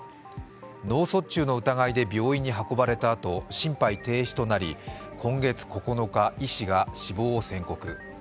脳卒中の疑いで病院に運ばれたあと、心肺停止となり今月９日、医師が死亡を宣告。